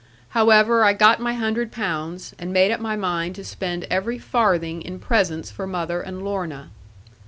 However, I got my hundred pounds, and made up my mind to spend every farthing in presents for mother and Lorna.